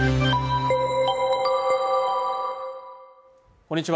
こんにちは